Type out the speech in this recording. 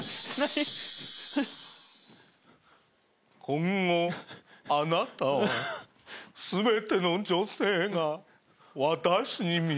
今後あなたは全ての女性が私に見えます。